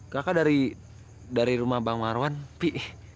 kakak dari rumah bang marwan p